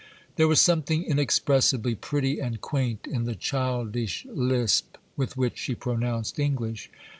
There was something inexpressibly pretty and quaint in the childish lisp with which she pronounced English.